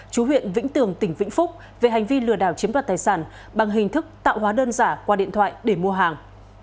chú huyện vĩnh tường tỉnh vĩnh phúc về hành vi lừa đảo chiếm đoạt tài sản bằng hình thức tạo hóa đơn giả qua điện thoại để mua hàng